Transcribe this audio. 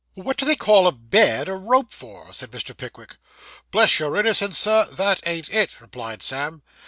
'What do they call a bed a rope for?' said Mr. Pickwick. 'Bless your innocence, sir, that ain't it,' replied Sam.